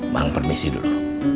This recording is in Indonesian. bang permisi dulu